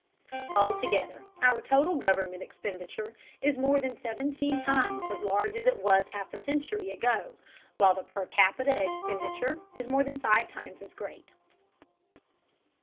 Altogether, our total government expenditure is more than seventeen times as large as it was a half century ago, while the per capita expenditure is more than five times as great.